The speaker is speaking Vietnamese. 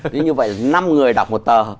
thế như vậy là năm người đọc một tờ